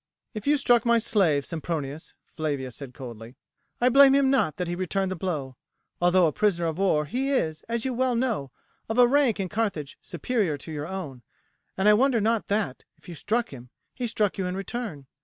"If you struck my slave, Sempronius," Flavia said coldly, "I blame him not that he returned the blow. Although a prisoner of war, he is, as you well know, of a rank in Carthage superior to your own, and I wonder not that, if you struck him, he struck you in return.